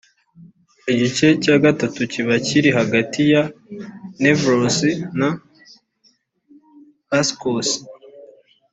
Igice cya gatatu kiba kiri hagati ya 'Nevrose' na 'Psycose'